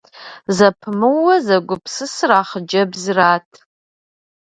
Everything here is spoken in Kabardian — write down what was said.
Зэпымыууэ зэгупсысыр а хъыджэбзырат.